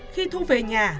khi thu về nhà